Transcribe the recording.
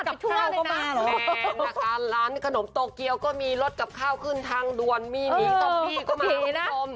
เมมนะคะร้านขนมโตเกียวก็มีรถกับข้าวขึ้นทางลวนมีหนีซอมปี้ก็มา